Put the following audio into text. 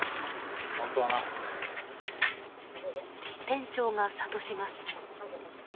店長が諭します。